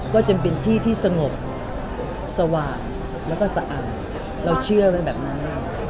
จำเป็นที่ที่สงบสว่างแล้วก็สะอาดเราเชื่อไว้แบบนั้น